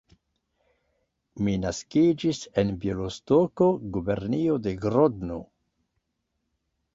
Mi naskiĝis en Bjelostoko, gubernio de Grodno.